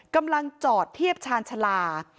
กำลังจอดเทียบชาญชาลา